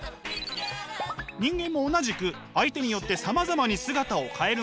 人間も同じく相手によってさまざまに姿を変えるもの。